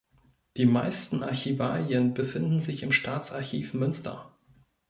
Die meisten Archivalien befinden sich im Staatsarchiv Münster.